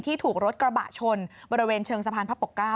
ถูกรถกระบะชนบริเวณเชิงสะพานพระปกเก้า